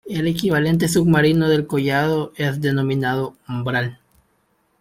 El equivalente submarino del collado es denominado umbral.